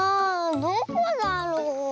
どこだろう？